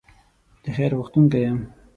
د خیر غوښتونکی یم.